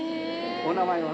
お名前は？